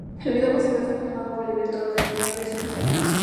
El video musical fue filmado por el director Dave Meyers en Los Ángeles.